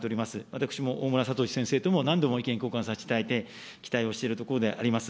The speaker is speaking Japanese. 私も大村智先生とも何度も意見交換させていただいて、期待をしているところであります。